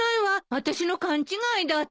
あたしの勘違いだった。